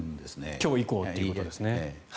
今日以降ということですね。